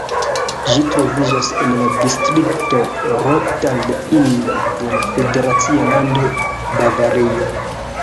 Ĝi troviĝas en la distrikto Rottal-Inn de la federacia lando Bavario.